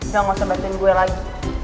lo gak usah bantuin gue lagi